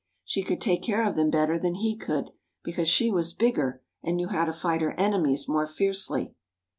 She could take care of them better than he could, because she was bigger and knew how to fight her enemies more fiercely.